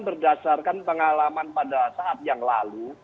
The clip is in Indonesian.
berdasarkan pengalaman pada saat yang lalu